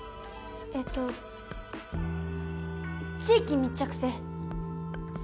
えっと地域密着性。